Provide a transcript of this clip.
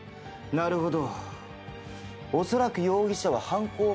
なるほど。